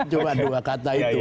cuma dua kata itu